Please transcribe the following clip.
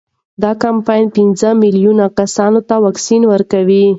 دا کمپاین پنځه میلیون کسانو ته واکسین ورکوي.